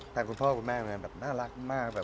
แฟนคุณพ่อคุณแม่น่ารักมาก